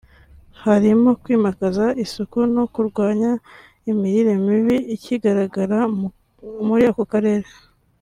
harimo kwimakaza isuku no kurwanya imirire mibi ikigaragara muri ako karere